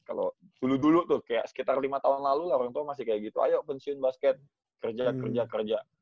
kalau dulu dulu tuh kayak sekitar lima tahun lalu lah orang tua masih kayak gitu ayo pensiun basket kerja kerja kerja